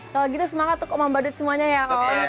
kalau gitu semangat untuk umat badut semuanya ya om